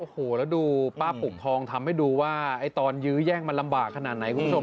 โอ้โหแล้วดูป้าปุกทองทำให้ดูว่าตอนยื้อแย่งมันลำบากขนาดไหนคุณผู้ชม